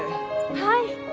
はい！